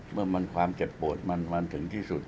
เมื่อมันความเจ็บปวดมันถึงที่สุด